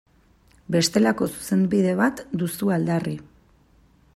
Bestelako Zuzenbide bat duzu aldarri.